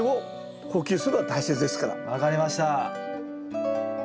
分かりました。